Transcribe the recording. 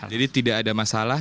jadi tidak ada masalah